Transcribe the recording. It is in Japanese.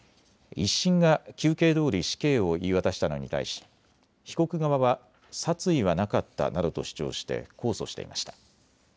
１審が求刑どおり死刑を言い渡したのに対し被告側は殺意はなかったなどと主張して控訴していました。